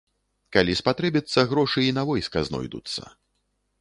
Калі спатрэбіцца, грошы і на войска знойдуцца.